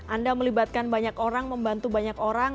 anda melibatkan banyak orang